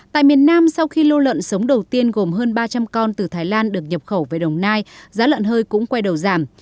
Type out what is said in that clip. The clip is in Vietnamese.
tại miền nam sau khi lô lợn sống đầu tiên gồm hơn ba trăm linh con từ thái lan được nhập khẩu về đồng nai giá lợn hơi cũng quay đầu giảm